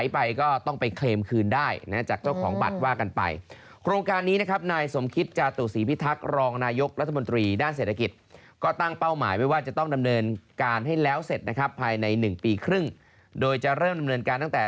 ปีครึ่งโดยจะเริ่มดำเนินการตั้งแต่